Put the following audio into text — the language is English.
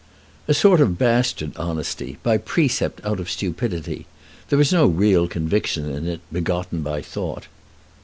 "A sort of bastard honesty, by precept out of stupidity. There is no real conviction in it, begotten by thought."